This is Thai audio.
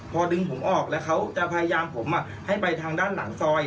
พอดึงผมออกแล้วเขาจะพยายามผมให้ไปทางด้านหลังซอย